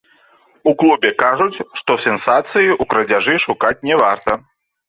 У клубе кажуць, што сенсацыі ў крадзяжы шукаць не варта.